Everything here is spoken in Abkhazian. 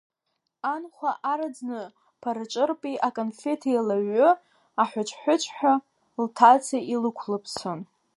Анхәа араӡны ԥараҿырпи аканфеҭи еилаҩҩы аҳәыҵә-аҳәыҵәҳәа лҭаца илықәлыԥсон.